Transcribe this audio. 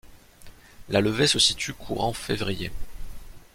La levée se situe courant février.